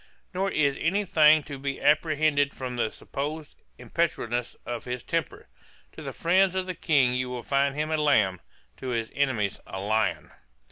Nor is any thing to be apprehended from the supposed impetuosity of his temper. To the friends of the King you will find him a lamb, to his enemies a lion.